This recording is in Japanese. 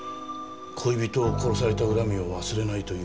恋人を殺された恨みを忘れないという。